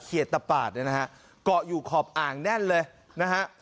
ตะปาดเนี่ยนะฮะเกาะอยู่ขอบอ่างแน่นเลยนะฮะ